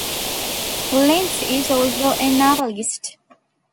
Lynch is also a novelist.